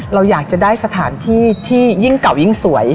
เราอยากจะได้สถานที่ที่ยิ่งเก่ายิ่งสวย